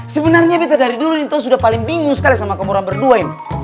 sebenarnya beda dari dulu ini toh sudah paling bingung sekali sama kamu orang berdua ini